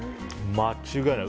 間違いない。